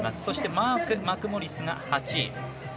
そしてマーク・マクモリスが８位。